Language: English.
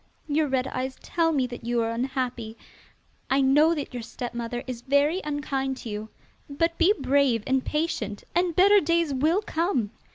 Your red eyes tell me that you are unhappy. I know that your stepmother is very unkind to you, but be brave and patient, and better days will come.